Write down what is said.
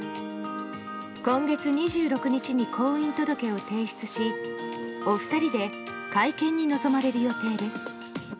今月２６日に婚姻届を提出しお二人で会見に臨まれる予定です。